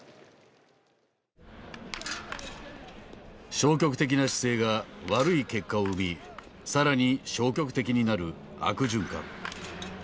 消極的な姿勢が悪い結果を生み更に消極的になる悪循環。